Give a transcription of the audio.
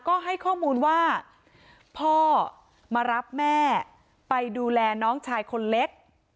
ก็ให้ข้อมูลว่าพ่อมารับแม่ไปดูแลน้องชายคนเล็ก